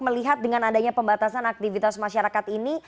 melihat dengan adanya pembatasan aktivitas masyarakat ini